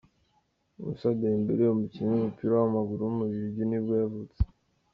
Mousa Dembélé, umukinnyi w’umupira w’amaguru w’umubiligi nibwo yavutse.